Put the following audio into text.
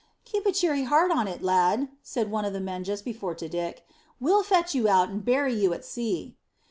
"Keep a cheery heart on it, lad," said one of the men just before to Dick. "We'll fetch you out and bury you at sea."